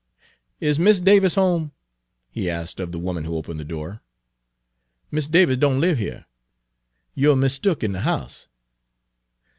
"Is Mis' Davis home?" he asked of the woman who opened the door. "Mis' Davis don' live here. You er mistook in de house."